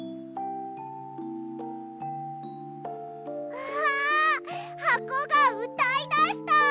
うわはこがうたいだした！